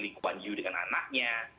lee kuan yew dengan anaknya